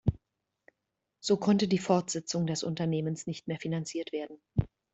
So konnte die Fortsetzung des Unternehmens nicht mehr finanziert werden.